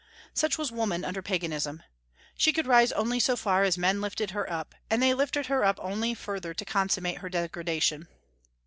Such was woman under Paganism. She could rise only so far as men lifted her up; and they lifted her up only further to consummate her degradation.